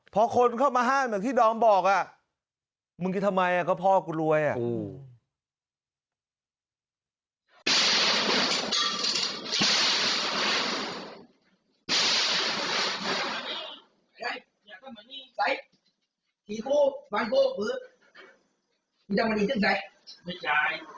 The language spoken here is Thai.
พอคนเข้ามาห้ามอย่างที่ดอมบอกอ่ะมึงจะทำไมก็พ่อกูรวยอ่ะ